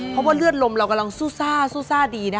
เพราะว่าเลือดลมเรากำลังซูซ่าซู่ซ่าดีนะ